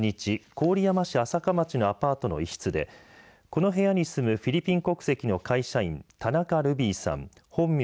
郡山市安積町のアパートの１室でこの部屋に住むフィリピン国籍の会社員田中ルビーさん本名